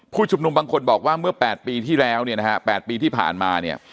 ชุมนุมบางคนบอกว่าเมื่อ๘ปีที่แล้วเนี่ยนะฮะ๘ปีที่ผ่านมาเนี่ย